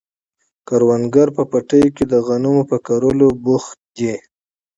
کروندګر په پټیو کې د غنمو په کرلو بوخت دي.